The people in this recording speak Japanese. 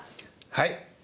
はい。